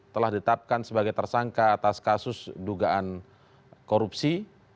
telah ditetapkan sebagai tersangka atas kasus dugaan korupsi